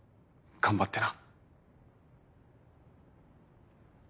頑張ってな。